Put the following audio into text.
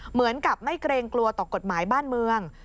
เหมือนกับไม่เกรงกลัวต่อกฎหมายบ้านเมือง